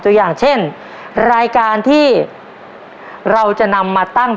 ตัวอย่างเช่นรายการที่เราจะนำมาตั้งเป็นการ